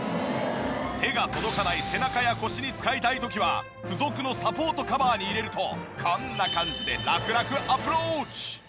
手が届かない背中や腰に使いたい時は付属のサポートカバーに入れるとこんな感じでああホンマ